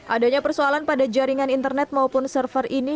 adanya persoalan pada jaringan internet maupun server ini